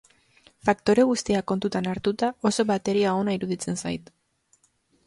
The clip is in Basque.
Faktore guztiak kontuan hartuta, oso bateria ona iruditzen zait.